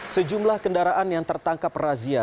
sejumlah kendaraan yang tertangkap razia